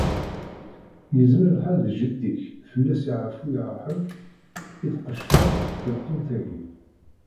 Yezmer lḥal d jeddi-k, fell-as yeɛfu yerḥem, i d-tqecmeḍ seg telqent-agi.